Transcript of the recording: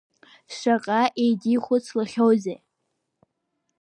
Шаҟа еидихәыцлахьоузеи!